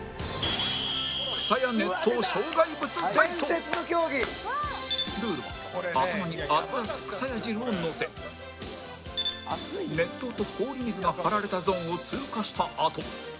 「伝説の競技！」ルールは頭に熱々くさや汁をのせ熱湯と氷水が張られたゾーンを通過したあと